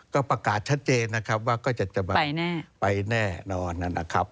ก็ประกาศชัดเจนนะครับว่าก็จะแบบไปแน่นอนนะครับ